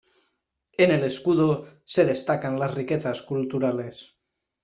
En el escudo se destacan las riquezas culturales.